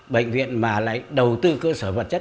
bệnh viện mà lại đầu tư cơ sở vật chất